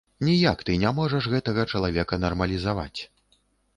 Ніяк ты не можаш гэтага чалавека нармалізаваць.